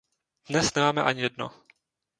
Dnes nemáme ani jedno.